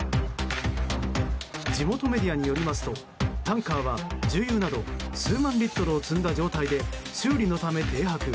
地元メディアによりますとタンカーは重油など数万リットルを積んだ状態で修理のため停泊。